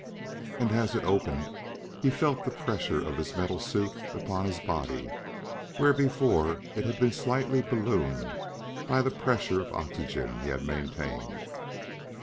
And as it opened, he felt the pressure of his metal suit upon his body, where before it had been slightly ballooned by the pressure of oxygen he had maintained.